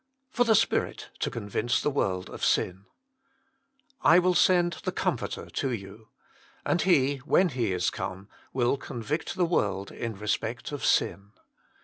Jor tlje Spirit to ronlrince tlje Morlir of &tn "I will send the Comforter to you. And He, when He is come, will convict the world in respect of sin."